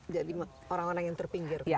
jadi orang orang yang terpinggir